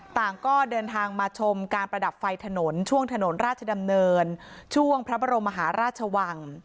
ต่างก็เดินทางมาชมการประดับไฟถนนช่วงถนนราชดำเนินช่วงพระบรมมหาราชวัง